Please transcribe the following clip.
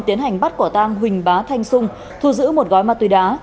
tiến hành bắt quả tang huỳnh bá thanh sung thu giữ một gói ma túy đá